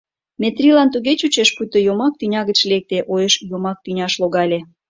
Метрийлан туге чучеш, пуйто йомак тӱня гыч лекте, уэш йомак тӱняш логале.